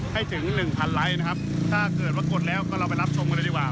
ให้ถึงหนึ่งพันไลค์นะครับถ้าเกิดว่ากดแล้วก็เราไปรับชมกันเลยดีกว่า